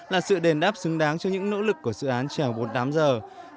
là sự đền đáp xứng đáng cho những nỗ lực của dự án trèo bốn mươi tám h